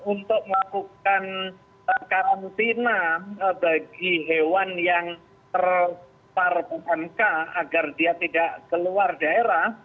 untuk melakukan karantina bagi hewan yang terpapar pmk agar dia tidak keluar daerah